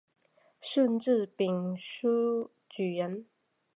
顺治丙戌举人。